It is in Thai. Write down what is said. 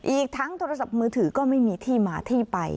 อีกทั้งโทรศัพท์มือถือก็ไม่มีที่มาที่ไป